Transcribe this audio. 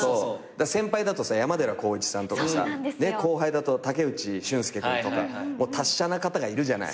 先輩だと山寺宏一さんとかさ後輩だと武内駿輔君とか達者な方がいるじゃない。